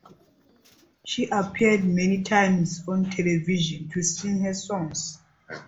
She appeared many times on television to sing her songs.